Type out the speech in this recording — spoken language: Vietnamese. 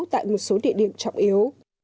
tại một số địa điểm trọng yếu